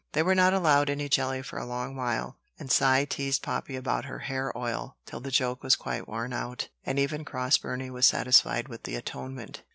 They were not allowed any jelly for a long while; and Cy teased Poppy about her hair oil till the joke was quite worn out, and even cross Burney was satisfied with the atonement.